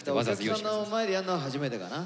お客さんの前でやんのは初めてかな？